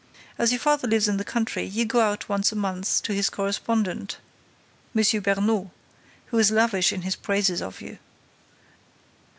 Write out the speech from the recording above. As your father lives in the country, you go out once a month to his correspondent, M. Bernod, who is lavish in his praises of you."